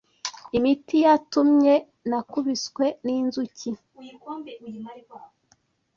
Imiti yatumye Nakubiswe n'inzuki !!